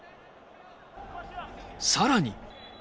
さらに。